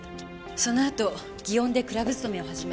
そのあと祇園でクラブ勤めを始め